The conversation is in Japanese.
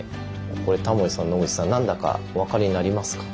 これタモリさん野口さん何だかお分かりになりますか？